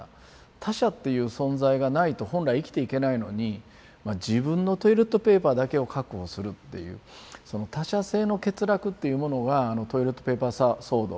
他者っていう存在がないと本来生きていけないのに自分のトイレットペーパーだけを確保するっていうその他者性の欠落っていうものがあのトイレットペーパー騒動。